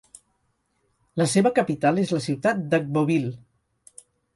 La seva capital és la ciutat d'Agboville.